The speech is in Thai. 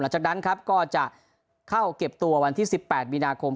หลังจากนั้นครับก็จะเข้าเก็บตัววันที่๑๘มีนาคม